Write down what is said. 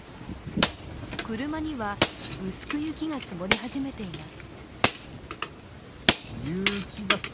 車には、薄く雪が積もり始めています。